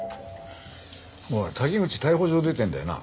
おい滝口逮捕状出てるんだよな？